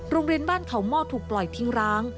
โรงเรียนบ้านเขาหม้อถูกปล่อยทิ้งร้าง